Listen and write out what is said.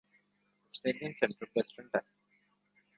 Australian Central Western time